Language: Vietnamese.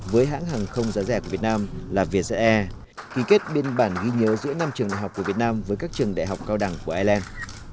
với hãng hàng không giá rẻ của việt nam là vietjet air ký kết biên bản ghi nhớ giữa năm trường đại học của việt nam với các trường đại học cao đẳng của ireland